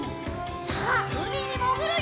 さあうみにもぐるよ！